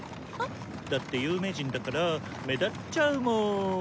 だって有名人だから目立っちゃうもん！